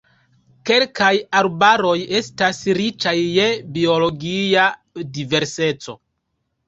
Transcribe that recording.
Kelkaj arbaroj estas riĉaj je biologia diverseco.